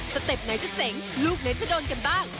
เต็ปไหนจะเจ๋งลูกไหนจะโดนกันบ้าง